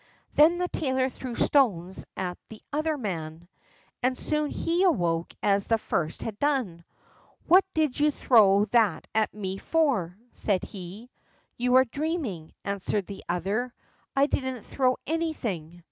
Then the tailor threw stones at the other man, and soon he awoke as the first had done. "What did you throw that at me for?" said he. "You are dreaming," answered the other, "I didn't throw anything."